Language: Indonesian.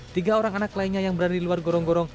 tiga orang anak lainnya yang berada di luar gorong gorong